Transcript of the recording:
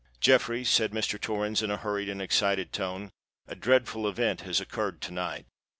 "Jeffreys," said Mr. Torrens, in a hurried and excited tone, "a dreadful event has occurred to night.